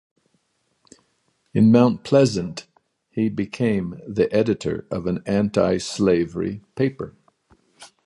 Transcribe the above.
In Mount Pleasant he became the editor of an antislavery paper.